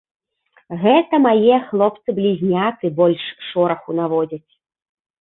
Гэта мае хлопцы-блізняты больш шораху наводзяць.